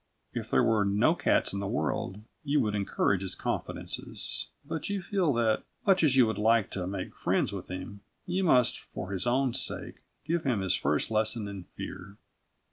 If there were no cats in the world, you would encourage his confidences, but you feel that, much as you would like to make friends with him, you must, for his own sake, give him his first lesson in fear.